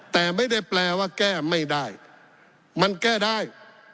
แต่ไม่ได้แปลว่าแก้ไม่ได้มันแก้ได้